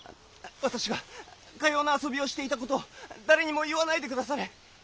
私がかような遊びをしていたこと誰にも言わないでくだされ！